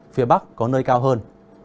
phía bắc có nơi cao hơn